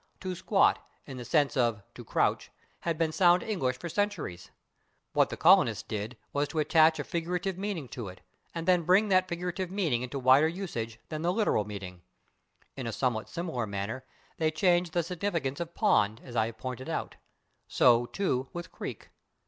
/To squat/, in the sense of /to crouch/, had been sound English for centuries; what the colonists did was to attach a figurative meaning to it, and then bring that figurative meaning into wider usage than the literal meaning. In a somewhat similar manner they changed the significance of /pond/, as I have pointed out. So, too, with /creek